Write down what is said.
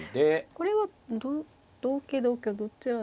これは同桂同香どちらで。